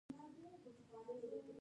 د عوامو جرګې غونډه راوبولي